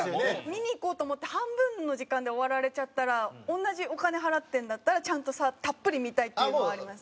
見に行こうと思って半分の時間で終わられちゃったら同じお金払ってるんだったらちゃんとたっぷり見たいっていうのはあります。